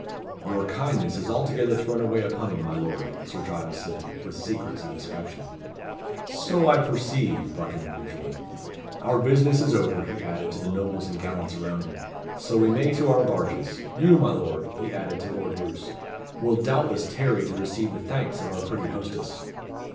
"Your kindness is altogether thrown away upon him, my lord," Sir Giles said, with secret satisfaction. "So I perceive," Buckingham rejoined. "Our business is over," he added, to the nobles and gallants around him; "so we may to our barges. You, my lord," he added to Lord Roos, "will doubtless tarry to receive the thanks of our pretty hostess."